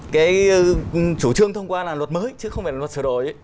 cái chủ trương thông qua là luật mới chứ không phải là luật sửa đổi